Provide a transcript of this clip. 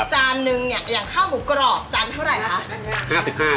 จานนึงเนี่ยอย่างข้าวหมูกรอบจานเท่าไหร่คะ